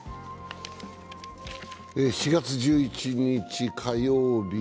４月１１日火曜日。